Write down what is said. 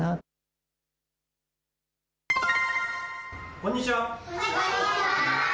こんにちは。